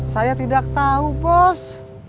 saya tidak tau bos